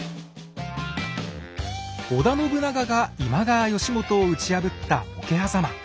織田信長が今川義元を打ち破った